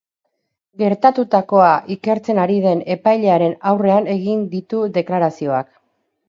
Gertatuakoa ikertzen ari den epailearen aurrean egin ditu deklarazioak.